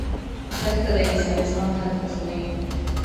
دښته د انساني زغم حد ازمويي.